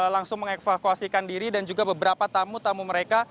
langsung mengevakuasikan diri dan juga beberapa tamu tamu mereka